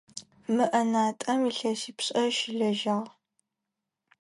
Мы ӏэнатӏэм илъэсипшӏэ щылэжьагъ.